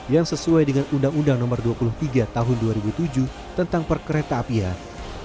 yang sesuai dengan undang undang no dua puluh tiga tahun dua ribu tujuh tentang perkereta apian